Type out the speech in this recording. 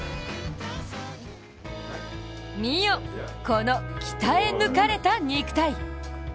見よ、この鍛え抜かれた肉体！